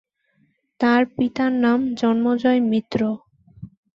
তার পিতার নাম জন্মজয় মিত্র।